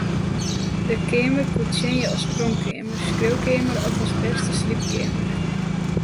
Der keamer koe tsjinje as pronkkeamer, skriuwkeamer of as bêste sliepkeamer.